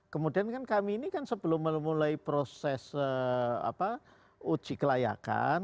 kemudian kami ini kan sebelum mulai proses uji kelayakan